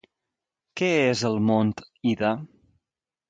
Què és el Mont Ida?